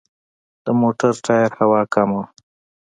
د موټر ټایر هوا کمه وه.